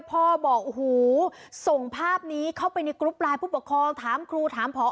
บอกโอ้โหส่งภาพนี้เข้าไปในกรุ๊ปไลน์ผู้ปกครองถามครูถามพอ